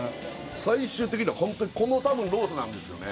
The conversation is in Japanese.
最終的にはホントにこのたぶんロースなんですよね